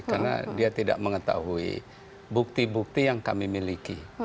karena dia tidak mengetahui bukti bukti yang kami miliki